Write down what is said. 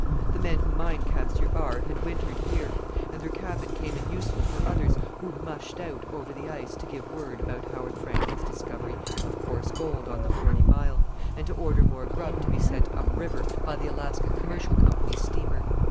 The men who mined Cassiar Bar had wintered here, and their cabin came in useful for others who "mushed out" over the ice to give word about Howard Franklin's discovery of coarse gold on the Forty Mile, and to order more grub to be sent "up river" by the Alaska Commercial Company's steamer.